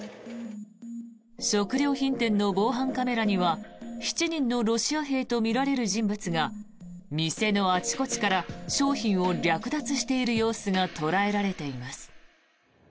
食料品店の防犯カメラには７人のロシア兵とみられる人物が店のあちこちから商品を略奪している様子が捉えられています。